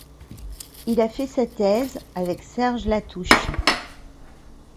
Il a fait sa thèse avec Serge Latouche.